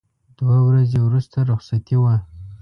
دوه ورځې وروسته رخصتي وه.